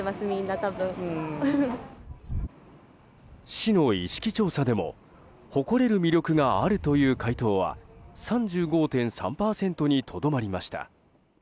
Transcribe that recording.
市の意識調査でも誇れる魅力があるという回答は３５．３％にとどまりました。